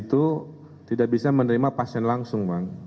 itu tidak bisa menerima pasien langsung bang